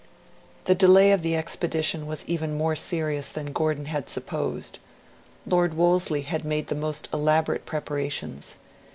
The delay of the expedition was even more serious than Gordon had supposed. Lord Wolseley had made the most elaborate preparations.